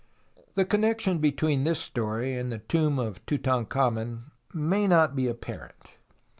The connection between this story and the tomb of Tutankhamen may not be apparent.